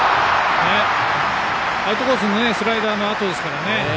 アウトコースのスライダーのあとですから。